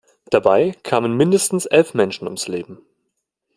Dabei kamen mindestens elf Menschen ums Leben.